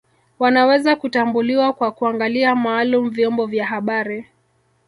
Wanaweza kutambuliwa kwa kuangalia maalum vyombo vya habari